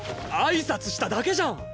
あいさつしただけじゃん！